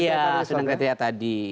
iya sesuai dengan kriteria tadi